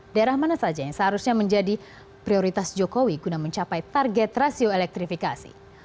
daerah mana saja yang seharusnya menjadi prioritas jokowi guna mencapai target rasio elektrifikasi